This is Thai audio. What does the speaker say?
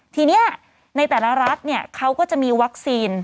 ทีนี้ในแต่ละรัฐเขาก็จะมีวัคซีน